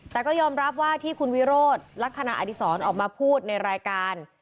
แต่ก็ยอมรับว่าที่คุณวิโรธลักษณะอดีศรออกมาพูดในรายการ